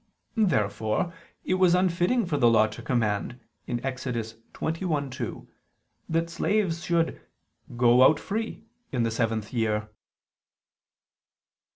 Therefore it was unfitting for the Law to command (Ex. 21:2) that slaves should "go out free" in the seventh year.